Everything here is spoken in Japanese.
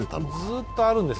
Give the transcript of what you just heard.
ずっとあるんです。